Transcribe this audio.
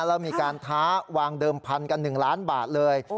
แล้วมีการท้าวางเดิมพันกัน๑ล้านบาทเลย